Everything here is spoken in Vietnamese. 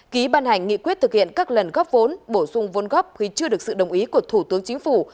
ký ban hành nghị quyết thực hiện các lần góp vốn bổ sung vốn góp khi chưa được sự đồng ý của thủ tướng chính phủ